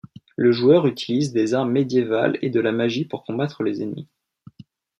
Le joueur utilise des armes médiévales et de la magie pour combattre les ennemis.